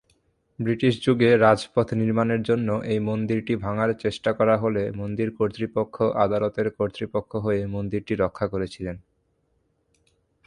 British যুগে রাজপথ নির্মাণের জন্য এই মন্দিরটি ভাঙার চেষ্টা করা হলে মন্দির কর্তৃপক্ষ আদালতের কর্তৃপক্ষ হয়ে মন্দিরটি রক্ষা করেছিলেন।